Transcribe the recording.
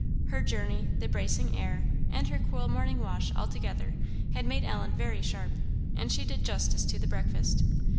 Her journey, the bracing air, and her cool morning wash, altogether, had made Ellen very sharp, and she did justice to the breakfast.